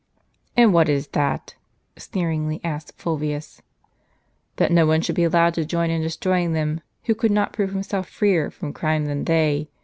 "And what is that? " sneeringly asked Fulvius. " That no one should be allowed to join in destroying them, who could not prove himself freer from crime than they.